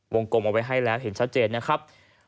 กลมเอาไว้ให้แล้วเห็นชัดเจนนะครับ